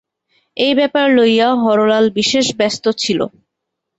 এই ব্যাপার লইয়া হরলাল বিশেষ ব্যস্ত ছিল।